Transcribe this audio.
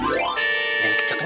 buat take water